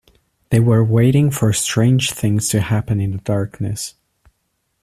They were waiting for strange things to happen in the darkness.